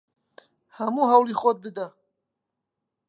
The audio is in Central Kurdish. هەموو هەوڵی خۆت بدە!